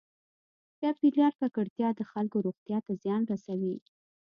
چاپېریال ککړتیا د خلکو روغتیا ته زیان رسوي.